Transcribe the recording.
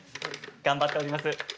頑張っております。